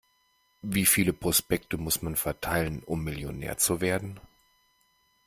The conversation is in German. Wie viele Prospekte muss man verteilen, um Millionär zu werden?